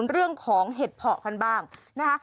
เรื่องของเห็ดเพาะกันบ้างนะคะ